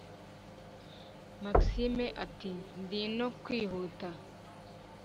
maxime ati"ndino kwihuta